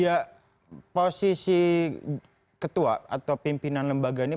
ya posisi ketua atau pimpinan lembaga ini